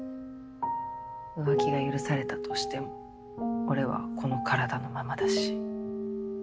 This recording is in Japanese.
浮気が許されたとしても俺はこの体のままだし。